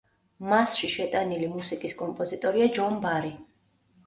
მასში შეტანილი მუსიკის კომპოზიტორია ჯონ ბარი.